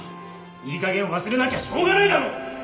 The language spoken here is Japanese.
いい加減忘れなきゃしょうがないだろ！